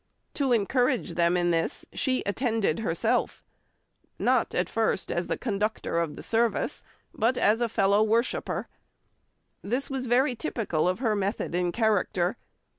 To encourage them in this she attended herself, not at first as the conductor of the service, but as a fellow worshipper. This was very typical of her method and character.